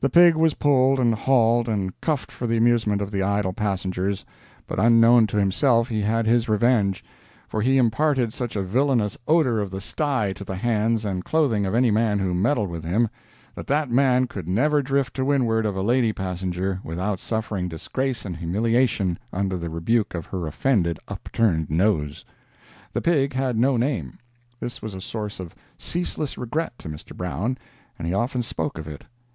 The pig was pulled and hauled and cuffed for the amusement of the idle passengers, but unknown to himself he had his revenge; for he imparted such a villainous odor of the sty to the hands and clothing of any man who meddled with him, that that man could never drift to windward of a lady passenger without suffering disgrace and humiliation under the rebuke of her offended upturned nose. The pig had no name. This was a source of ceaseless regret to Mr. Brown, and he often spoke of it.